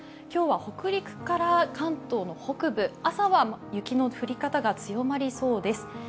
今日は北陸から関東の北部朝は雪の降り方が強まりそうです。